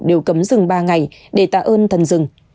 đều cấm rừng ba ngày để tạ ơn thần rừng